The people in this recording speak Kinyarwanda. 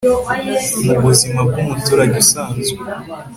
mu buzima bw'umuturage usanzwe